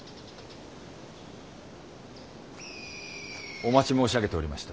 お待ち申し上げておりました。